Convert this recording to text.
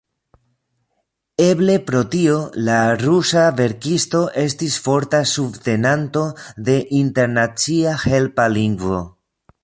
Eble pro tio la rusa verkisto estis forta subtenanto de internacia helpa lingvo.